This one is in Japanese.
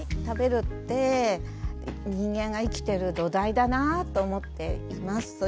食べるって人間が生きてる土台だなぁと思っています。